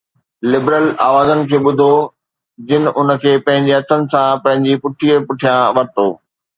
liberal آوازن کي ٻڌو، جن ان کي پنهنجي هٿن سان پنهنجي پٺيءَ پٺيان ورتو